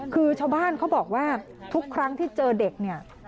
คือชาวบ้านเขาบอกว่าทุกครั้งที่เจอเด็กเนี่ย